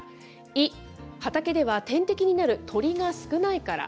イ、畑では天敵になる鳥が少ないから。